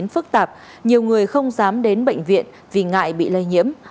phức tạp nhiều người không dám đến bệnh viện vì ngại bị lây nhiễm